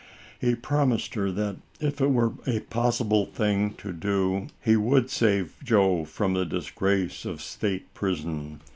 He promised her that, if it were a possible thing to do, he would save Joe from the disgrace of state prison.